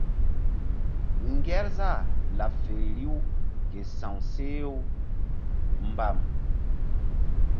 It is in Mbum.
Ŋgerzah laɓ feri riw ke sa̧w she u mbam.